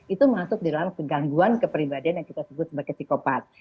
itu masuk di dalam kegangguan kepribadian yang kita sebut sebagai psikopat